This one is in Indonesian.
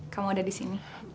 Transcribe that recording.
kamu udah disini